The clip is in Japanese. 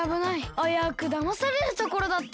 あやうくだまされるところだった。